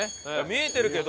見えてるけど。